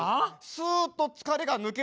スーッと疲れが抜けるんです。